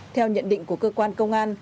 theo nhận định của cơ quan công an